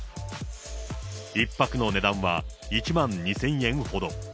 １泊の値段は１万２０００円ほど。